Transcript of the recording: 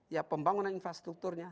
ya pembangunan infrastrukturnya